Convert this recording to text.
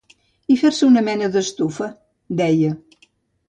I fer-se una mena d’estufa, deia.